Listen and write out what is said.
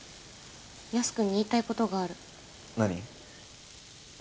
ヤス君に言いたいことがある何？